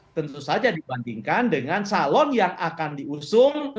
tentu saja dibandingkan dengan calon yang akan diusung